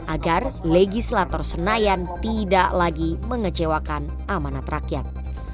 agar legislator senayan tidak lagi mengecewakan amanat rakyat